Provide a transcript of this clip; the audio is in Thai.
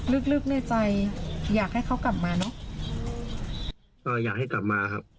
ลึกลึกในใจอยากให้เขากลับมาเนอะก็อยากให้กลับมาครับ